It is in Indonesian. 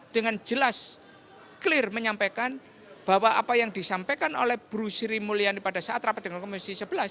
dengan jelas clear menyampaikan bahwa apa yang disampaikan oleh bu sri mulyani pada saat rapat dengan komisi sebelas